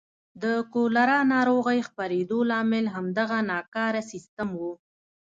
د کولرا ناروغۍ خپرېدو لامل همدغه ناکاره سیستم و.